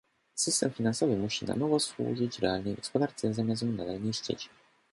System finansowy musi na nowo służyć realnej gospodarce, zamiast ją nadal niszczyć